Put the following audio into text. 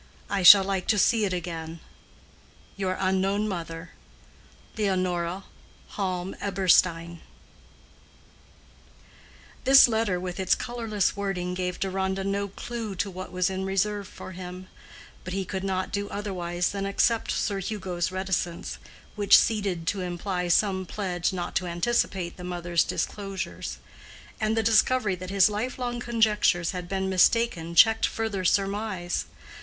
I shall like to see it again.—Your unknown mother, LEONORA HALM EBERSTEIN. This letter with its colorless wording gave Deronda no clue to what was in reserve for him; but he could not do otherwise than accept Sir Hugo's reticence, which seemed to imply some pledge not to anticipate the mother's disclosures; and the discovery that his life long conjectures had been mistaken checked further surmise.